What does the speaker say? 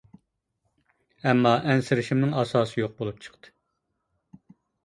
ئەمما ئەنسىرىشىمنىڭ ئاساسى يوق بولۇپ چىقتى.